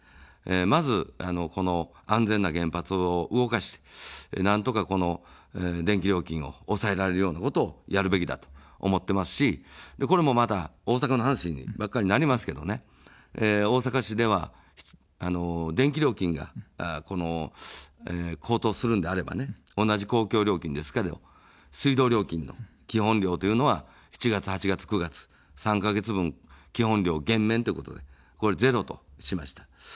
まず、この安全な原発を動かして、なんとかこの電気料金を抑えられるようなことをやるべきだと思ってますし、これもまた大阪の話ばかりになりますけどね、大阪市では、電気料金が、この高騰するのであれば、同じ公共料金ですけれども水道料金の基本料というのは７月、８月、９月、３か月分基本料減免としてこれゼロとしました。